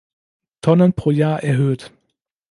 Tonnen pro Jahr erhöht.